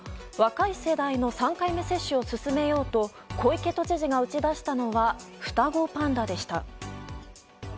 若い世代の３回目接種を進めようと小池都知事が打ち出したのは双子パンダでした。